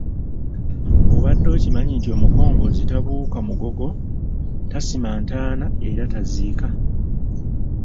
Obadde okimanyi nti omukongozzi tabuuka mugogo, tasima ntaana era taziika?.